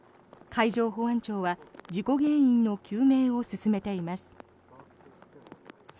海上保安庁は事故原因の究明を進めています。